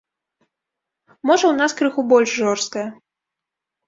Можа ў нас крыху больш жорсткая.